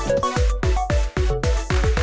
terima kasih atas kebersamaan anda